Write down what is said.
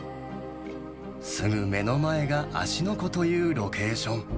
すぐ目の前が芦ノ湖というロケーション。